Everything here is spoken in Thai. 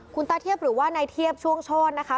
คุณตาเทียบหรือว่านายเทียบช่วงโชธนะคะ